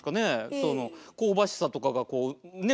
その香ばしさとかが食感ねぇ。